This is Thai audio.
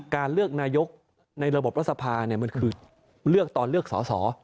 การเลือกนายกในระบบรัฐสภามันคือเลือกตอนเลือกสอสอ